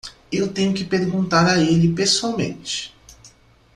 Eu tenho que perguntar a ele pessoalmente.